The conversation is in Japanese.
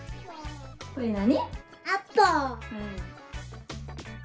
これ何？